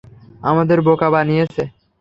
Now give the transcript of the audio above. আমাদের বোকা বানিয়েছে!